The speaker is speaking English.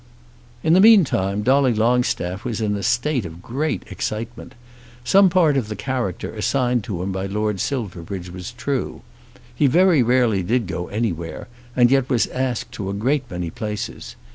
In the meantime Dolly Longstaff was in a state of great excitement. Some part of the character assigned to him by Lord Silverbridge was true. He very rarely did go anywhere, and yet was asked to a great many places.